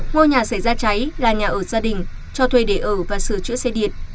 ngôi nhà xảy ra cháy là nhà ở gia đình cho thuê để ở và sửa chữa xe điện